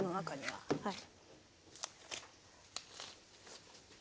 はい。